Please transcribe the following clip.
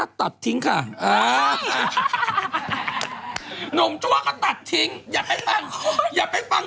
อ้าวอีฟ่าชักเกี่ยวอะไรเรากัน